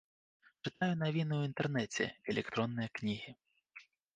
Чытаю навіны ў інтэрнэце, электронныя кнігі.